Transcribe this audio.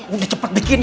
udah cepat bikinin